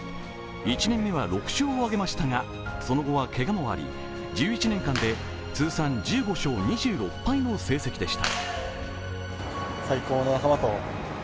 １年目は６勝を挙げましたが、その後はけがもあり、１１年間で通算１５勝２６敗の成績でした。